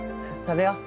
食べよう！